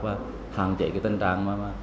và hạn chế tân trạng